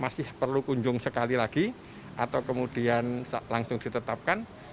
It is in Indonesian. masih perlu kunjung sekali lagi atau kemudian langsung ditetapkan